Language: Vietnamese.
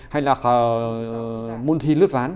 hay là môn thi lướt ván